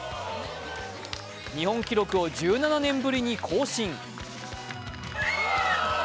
日本記録を１７年ぶりに更新。